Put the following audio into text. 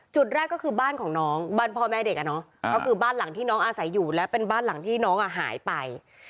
จุดแรกก็คือบ้านของน้องบ้านพ่อแม่เด็กก็คือบ้านหลังที่น้องอาศัยอยู่และเป็นบ้านหลังที่น้องหายไป